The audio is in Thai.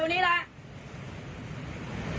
ทำไม